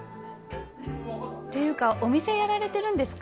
ていうかお店やられてるんですか？